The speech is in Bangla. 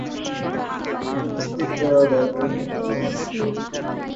ফারহান হলেন একজন ডানহাতি আক্রমণাত্মক ব্যাটসম্যান এবং ডানহাতি মিডিয়াম ফাস্ট বোলার।